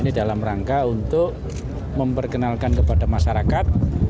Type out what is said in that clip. ini dalam rangka untuk memperkenalkan kepada masyarakat